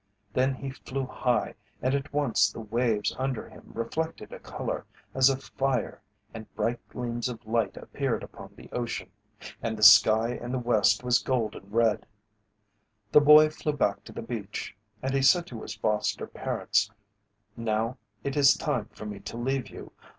Then he flew high and at once the waves under him reflected a colour as of fire and bright gleams of light appeared upon the ocean, and the sky in the west was golden red. The boy flew back to the beach and he said to his foster parents, "Now it is time for me to leave you.